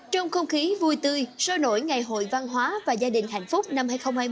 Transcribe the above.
trong không khí vui tươi sôi nổi ngày hội văn hóa và gia đình hạnh phúc năm hai nghìn hai mươi